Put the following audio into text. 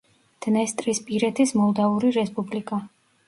დნესტრისპირეთის მოლდავური რესპუბლიკა.